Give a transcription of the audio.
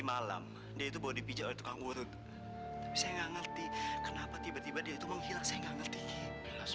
maafkan bapak yang telah mengganggu ketenangan kamu